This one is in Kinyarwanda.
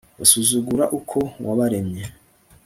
basuzugura uko wabaremye